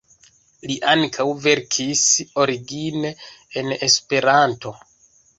Li ankaŭ verkis origine en Esperanto.